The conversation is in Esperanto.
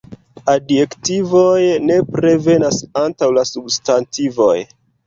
Adjektivoj nepre venas antaŭ la substantivoj.